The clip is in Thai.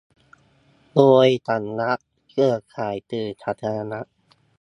โดย สำนักเครือข่ายสื่อสาธารณะ